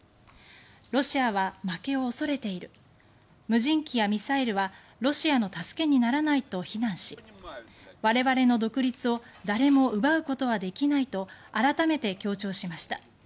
ロシアは負けを恐れている無人機やミサイルはロシアの助けにならないと非難し我々の独立を誰も奪うことはできないと改めて強調しました。